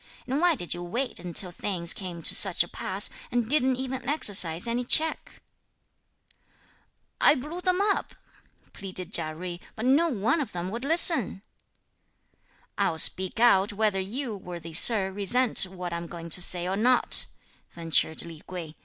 and why did you wait until things came to such a pass, and didn't even exercise any check?" "I blew them up," pleaded Chia Jui, "but not one of them would listen." "I'll speak out, whether you, worthy sir, resent what I'm going to say or not," ventured Li Kuei.